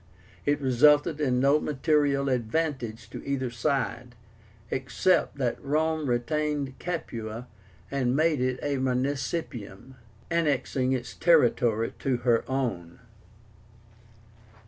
It resulted in no material advantage to either side, except that Rome retained Capua and made it a municipium, annexing its territory to her own.